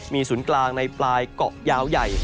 มีศูนย์กลางในปลายเกาะยาวใหญ่